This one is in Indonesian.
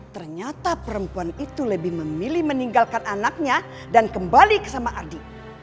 ternyata perempuan itu lebih memilih meninggalkan anaknya dan kembali ke sama adi